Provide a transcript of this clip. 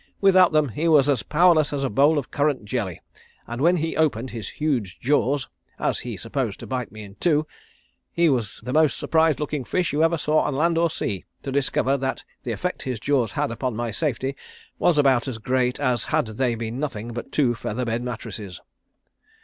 Without them he was as powerless as a bowl of currant jelly, and when he opened his huge jaws, as he supposed to bite me in two, he was the most surprised looking fish you ever saw on land or sea to discover that the effect his jaws had upon my safety was about as great as had they been nothing but two feather bed mattresses."